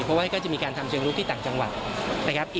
เพราะว่าจะมีการทำเชิงรุกที่ต่างจังหวัด